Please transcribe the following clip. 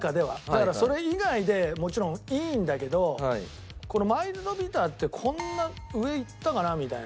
だからそれ以外でもちろんいいんだけどこのマイルドビターってこんな上いったかな？みたいな。